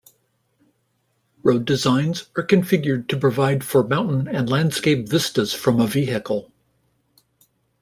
Road designs are configured to provide for mountain and landscape vistas from a vehicle.